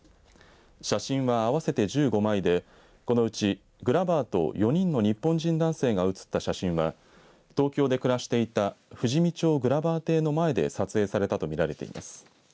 写真は合わせて１５枚でこのうちグラバーと４人の日本人男性が写った写真は東京で暮らしていた富士見町グラバー邸の名前で撮影されたと見られています。